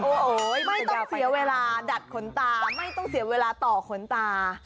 โอ้โหไม่ต้องเสียเวลาดัดขนตาไม่ต้องเสียเวลาต่อขนตา